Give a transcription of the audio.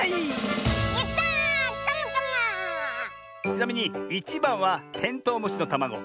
ちなみに１ばんはテントウムシのたまご。